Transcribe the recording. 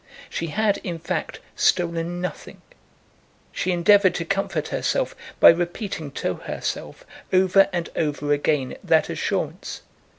She had, in fact, stolen nothing. She endeavoured to comfort herself by repeating to herself over and over again that assurance.